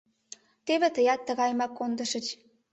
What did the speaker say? Теве тыят тыгайымак кондышыч.